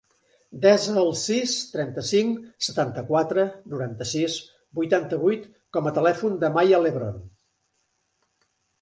Desa el sis, trenta-cinc, setanta-quatre, noranta-sis, vuitanta-vuit com a telèfon de la Maya Lebron.